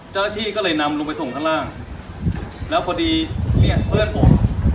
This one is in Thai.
เจ้าหน้าที่ก็เลยนำลงไปส่งข้างล่างแล้วพอดีเนี่ยเพื่อนผม